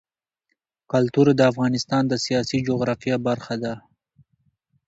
کلتور د افغانستان د سیاسي جغرافیه برخه ده.